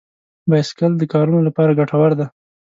بایسکل د کارونو لپاره ګټور دی.